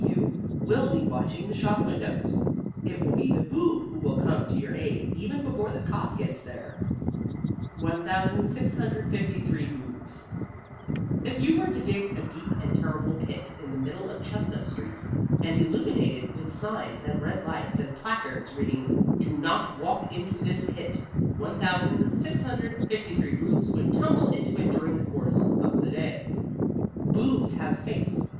W.W. will be watching the shop windows. It will be the Boob who will come to your aid, even before the cop gets there. 1653 BOOBS If you were to dig a deep and terrible pit in the middle of Chestnut Street, and illuminate it with signs and red lights and placards reading, DO NOT WALK INTO THIS PIT, 1653 Boobs would tumble into it during the course of the day. Boobs have faith.